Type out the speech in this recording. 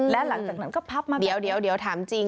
และหลังจากนั้นก็พับมาเดี๋ยวถามจริง